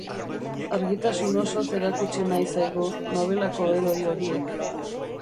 Argitasun osoz erakutsi nahi zaigu, nobelako heroi horiek.